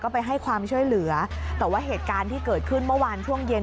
ไปให้ความช่วยเหลือแต่ว่าเหตุการณ์ที่เกิดขึ้นเมื่อวานช่วงเย็น